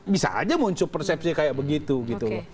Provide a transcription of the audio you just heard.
bisa aja muncul persepsi kayak begitu gitu